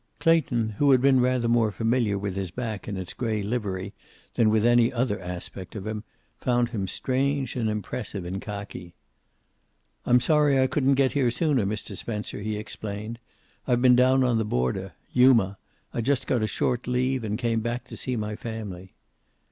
Clayton, who had been rather more familiar with his back in its gray livery than with any other aspect of him, found him strange and impressive in khaki. "I'm sorry I couldn't get here sooner, Mr. Spencer," he explained. "I've been down on the border. Yuma. I just got a short leave, and came back to see my family."